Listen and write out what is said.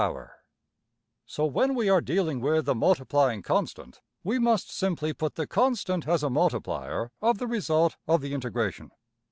\] So, when we are dealing with a multiplying constant, we must simply put the constant as a multiplier of the result of the integration.